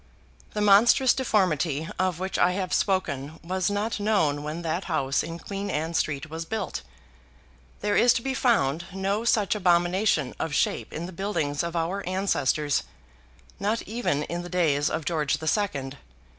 The monstrous deformity of which I have spoken was not known when that house in Queen Anne Street was built. There is to be found no such abomination of shape in the buildings of our ancestors, not even in the days of George the Second.